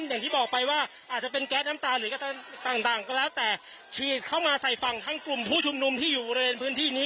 อย่างที่บอกไปว่าอาจจะเป็นแก๊สน้ำตาหรือกระต่างก็แล้วแต่ฉีดเข้ามาใส่ฝั่งทั้งกลุ่มผู้ชุมนุมที่อยู่บริเวณพื้นที่นี้